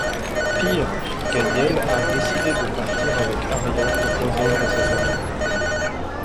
Pire, Ganièle a décidé de partir avec Aria pour rejoindre sa famille.